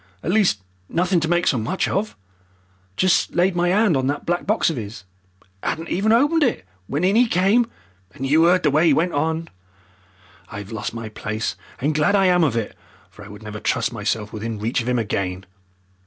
At least nothing to make so much of. Just laid my 'and on that black box of 'is 'adn't even opened it, when in 'e came and you 'eard the way 'e went on. I've lost my place, and glad I am of it, for I would never trust myself within reach of 'im again."